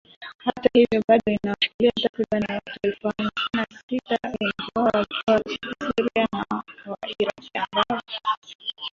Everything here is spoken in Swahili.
Hata hivyo bado inawashikilia takribani watu elfu hamsini na sita wengi wao wakiwa wa Syria na wa Iraq, ambao